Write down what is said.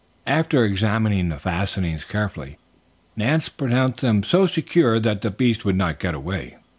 After examining the fastenings carefully, Nance pronounced them so secure that the beast would not get away.